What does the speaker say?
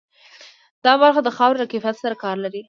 دا برخه د خاورې له کیفیت سره کار لري.